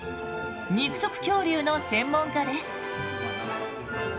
肉食恐竜の専門家です。